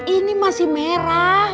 ini masih merah